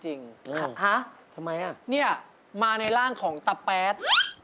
ทำไมอ่ะเนี่ยมาในร่างของตะแป๊ด